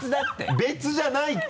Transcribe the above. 別じゃないって！